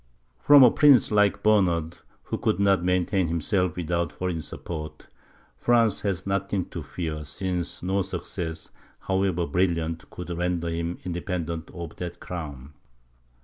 From a prince like Bernard, who could not maintain himself without foreign support, France had nothing to fear, since no success, however brilliant, could render him independent of that crown.